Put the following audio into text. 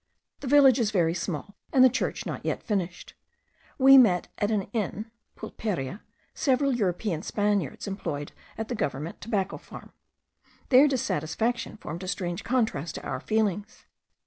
The village is very small, and the church not yet finished. We met at an inn (pulperia) several European Spaniards employed at the government tobacco farm. Their dissatisfaction formed a strange contrast to our feelings.